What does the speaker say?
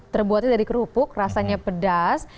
terbuatnya dari kerupuk rasanya pedas